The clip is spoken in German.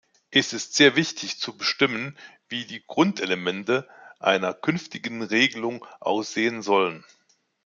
Es ist sehr wichtig zu bestimmen, wie die Grundelemente einer künftigen Regelung aussehen sollen.